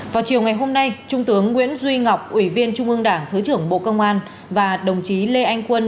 vào chiều ngày hôm nay trung tướng nguyễn duy ngọc ủy viên trung ương đảng thứ trưởng bộ công an và đồng chí lê anh quân